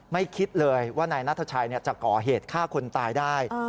คิดเลยว่านายนัทชัยจะก่อเหตุฆ่าคนตายได้